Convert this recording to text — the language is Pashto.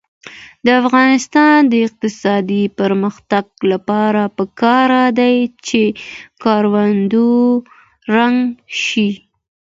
د افغانستان د اقتصادي پرمختګ لپاره پکار ده چې کورونه رنګ شي.